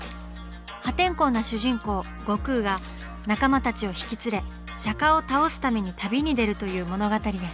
破天荒な主人公・悟空が仲間たちを引き連れ釈迦を「倒す」ために旅に出るという物語です。